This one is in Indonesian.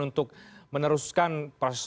untuk meneruskan proses